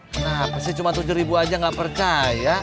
kenapa sih cuman rp tujuh aja gak percaya